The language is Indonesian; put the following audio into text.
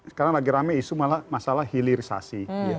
sekarang lagi rame isu malah masalah hilirisasi